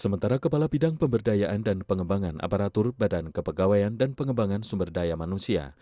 sementara kepala bidang pemberdayaan dan pengembangan aparatur badan kepegawaian dan pengembangan sumber daya manusia